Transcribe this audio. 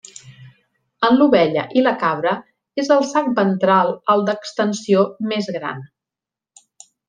En l'ovella i la cabra és el sac ventral el d'extensió més gran.